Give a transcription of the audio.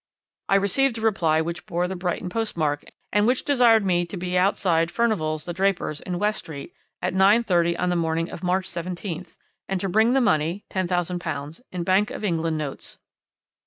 I received a reply which bore the Brighton postmark, and which desired me to be outside Furnival's, the drapers, in West Street, at 9.30 on the morning of March 17th, and to bring the money (£10,000) in Bank of England notes.